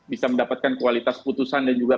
bisa mendapatkan kualitas putusan dan juga